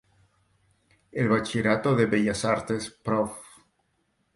El Bachillerato de Bellas Artes "Prof.